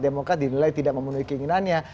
demokrat dinilai tidak memenuhi keinginannya